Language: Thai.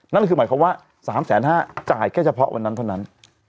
นั่นคือหมายความว่า๓๕๐๐บาทจ่ายแค่เฉพาะวันนั้นเท่านั้น